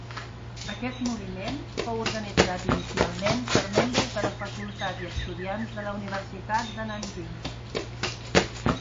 Aquest moviment fou organitzat inicialment per membres de la facultat i estudiants de la universitat de Nanjing.